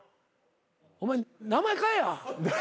お前名前変えや。